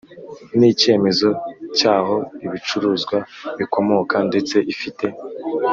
n icyemezo cy aho ibicuruzwa bikomoka ndetse ifite